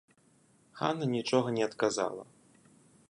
Хана нічога не адказала.